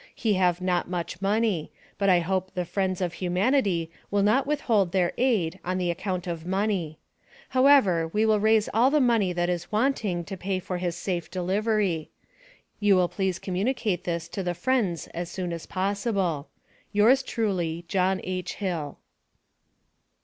He have not much money. But I hope the friends of humanity will not withhold their aid on the account of money. However we will raise all the money that is wanting to pay for his safe delivery. You will please communicate this to the friends as soon as possible. Yours truly, JOHN H. HILL.